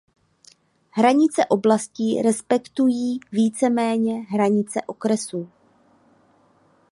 Hranice oblastí respektují víceméně hranice okresů.